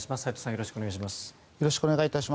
よろしくお願いします。